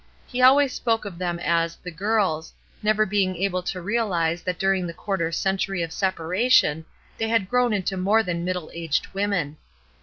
He always spoke of them as "the girls," never being able to realize that during the quarter century of separation they had grown into more than middle aged women.